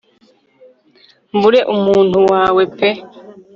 mbure umuntu wawe pe